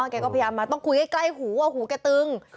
แกก็พยายามมาต้องคุยใกล้หูว่าหูแกตึง